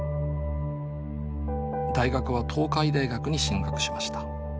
大学は東海大学に進学しました。